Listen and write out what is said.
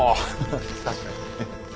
確かに。